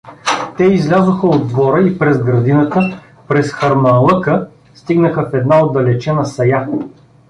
Те излязоха от двора и през градината, през харманлъка, стигнаха в една отдалечена сая.